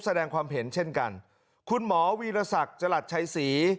แสดงความเห็นเช่นกันคุณหมอวีรศักดิ์จรัสชัยศรี